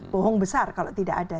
bohong besar kalau tidak ada